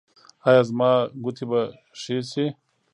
ایا زما ګوتې به ښې شي؟